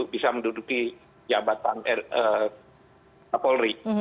bisa menduduki kapolri